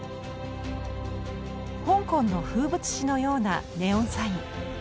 香港の風物詩のようなネオンサイン。